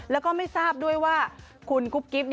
แล้วก็ไม่ทราบด้วยว่าคุณกุ๊บกิ๊บ